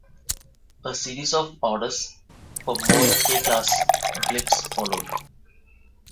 A series of orders for more K-class blimps followed.